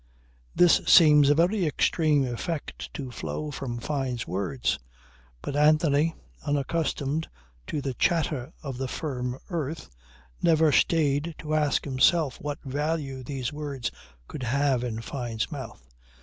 This seems a very extreme effect to flow from Fyne's words. But Anthony, unaccustomed to the chatter of the firm earth, never stayed to ask himself what value these words could have in Fyne's mouth.